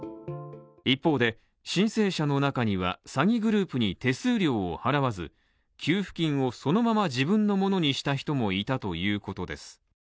一方で、申請者の中には詐欺グループに手数料を払わず給付金をそのまま自分のものにした人もいたということです。